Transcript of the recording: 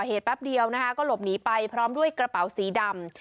แป๊บเดียวนะคะก็หลบหนีไปพร้อมด้วยกระเป๋าสีดำ